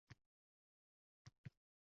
Issiqlik ta’minotida muammo bo‘lmaydi